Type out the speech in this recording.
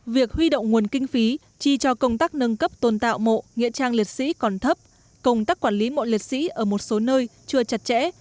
việc huy động nguồn kinh phí chi cho công tác nâng cấp tôn tạo mộ nghĩa trang liệt sĩ còn thấp công tác quản lý mộ liệt sĩ ở một số nơi chưa chặt chẽ